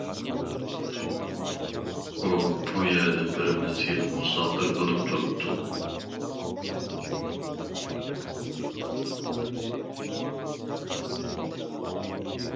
ئۇ بۇ يەردە بىر مەزگىل مۇساپىر بولۇپ تۇرۇپتۇ.